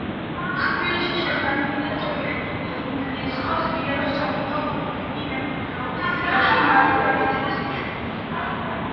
ცხრილში შეტანილია ძეგლები, იუნესკოს მიერ მსოფლიო კულტურული მემკვიდრეობის სიაში მათი დამატების მიხედვით.